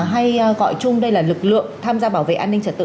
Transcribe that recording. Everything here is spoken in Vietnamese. hay gọi chung đây là lực lượng tham gia bảo vệ an ninh trật tự